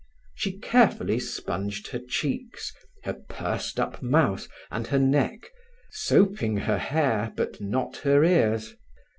She carefully sponged her cheeks, her pursed up mouth, and her neck, soaping her hair, but not her ears.